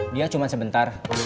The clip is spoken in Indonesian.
dia cuma sebentar